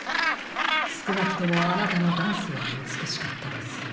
すくなくともあなたのダンスはうつくしかったですよ。